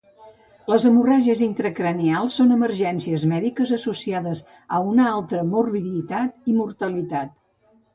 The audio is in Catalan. Les hemorràgies intracranials són emergències mèdiques associades a una alta morbiditat i mortalitat.